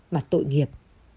mà tội nghiệp